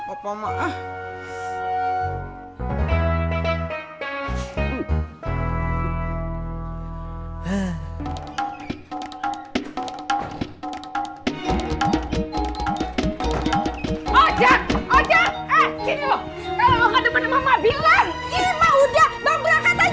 oloh oloh pan susah tuh berat tis